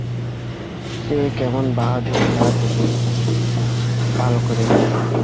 সে কেমন বাহাদুর তা তুমি ভাল করেই জান।